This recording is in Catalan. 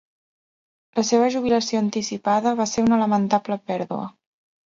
La seva jubilació anticipada va ser una lamentable pèrdua.